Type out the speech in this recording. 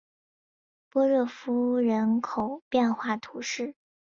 波热夫人口变化图示